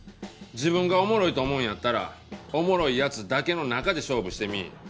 自分がおもろいと思うんやったらおもろい奴だけの中で勝負してみい。